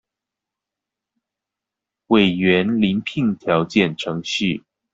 委員遴聘條件程序